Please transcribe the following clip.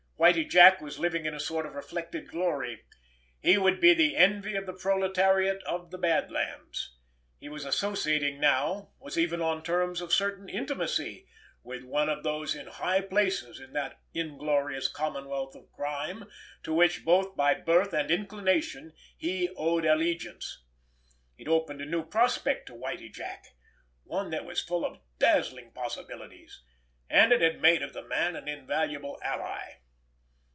Whitie Jack was living in a sort of reflected glory—he would be the envy of the proletariat of the Bad Lands—he was associating now, was even on terms of certain intimacy, with one of those in high places in that inglorious commonwealth of crime to which, both by birth and inclination, he owed allegiance. It opened a new prospect to Whitie Jack, one that was full of dazzling possibilities—and it had made of the man an invaluable ally.